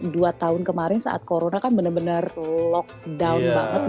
dua tahun kemarin saat corona kan bener bener lock down banget